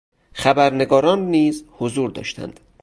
خبرنگاران نیز حضور داشتند.